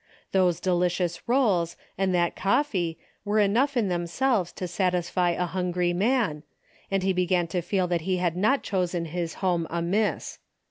Those delicious rolls and that coffee were enough in themselves to satisfy a hungry man, and he began to feel that he had not chosen his home amiss.